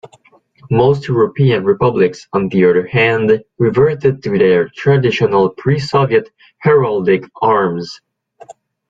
Most European republics, on the other hand, reverted to their traditional pre-Soviet heraldic arms.